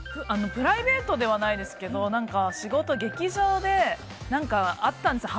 プライベートではないですけど仕事で、劇場であったんですよ。